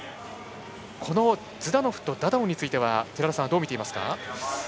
ズダノフとダダオンについては寺田さんはどう見ていますか？